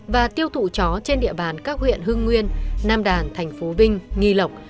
và tiêu thụ chó trên địa bàn các huyện hương nguyên nam đàn tp vinh nghi lộc